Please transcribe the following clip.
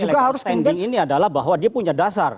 jadi legal standing ini adalah bahwa dia punya dasar